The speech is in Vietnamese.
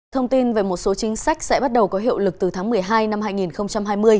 thông tin về một số chính sách sẽ bắt đầu có hiệu lực từ tháng một mươi hai năm hai nghìn hai mươi